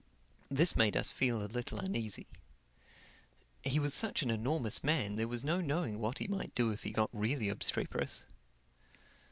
This made us feel a little uneasy. He was such an enormous man there was no knowing what he might do if he got really obstreperous.